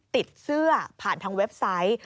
ติดเสื้อผ่านทางเว็บไซต์